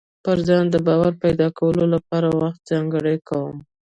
پر ځان د باور پيدا کولو لپاره وخت ځانګړی کوم.